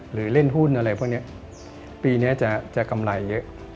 หรือเล่นหุ้นอะไรพวกนี้ปีนี้จะกำไรเยอะ